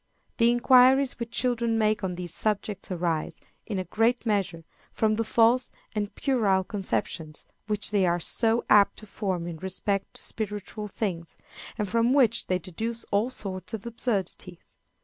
The inquiries which children make on these subjects arise, in a great measure, from the false and puerile conceptions which they are so apt to form in respect to spiritual things, and from which they deduce all sorts of absurdities.